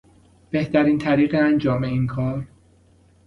بهترین طریق انجام این کار